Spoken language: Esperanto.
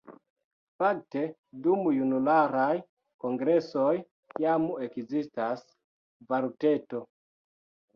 Fakte dum junularaj kongresoj jam ekzistas “valuteto”.